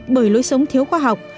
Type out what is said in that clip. bởi lối sống thiếu khoa học